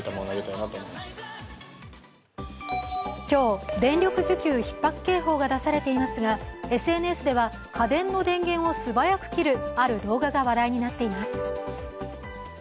今日、電力需給ひっ迫警報が出されていますがＳＮＳでは、家電の電源を素早く切るある動画が話題になっています。